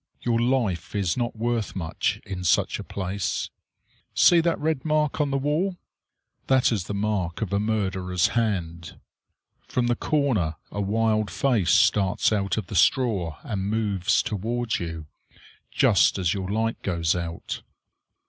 Your life is not worth much in such a place. See that red mark on the wall. That is the mark of a murderer's hand. From the corner a wild face starts out of the straw and moves toward you, just as your light goes out.